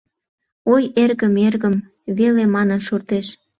«Ой, эргым, эргым» веле манын шортеш.